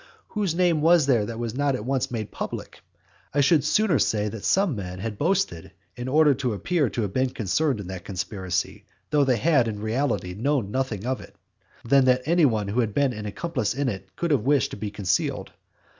Whose name was there which was not at once made public? I should sooner say that some men had boasted in order to appear to have been concerned in that conspiracy, though they had in reality known nothing of it, than that any one who had been an accomplice in it could have wished to be concealed.